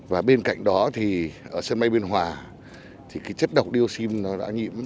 và bên cạnh đó thì ở sân bay biên hòa thì chất độc dioxin đã nhiễm